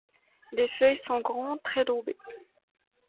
Les feuilles sont grandes, trilobées.